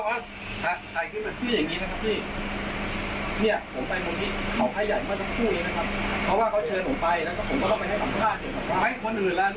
ถ่ายขึ้นมาคืออย่างงี้นะครับพี่เนี้ยผมไปมุมที่เขาไพร์ใหญ่มาสักครู่เองนะครับ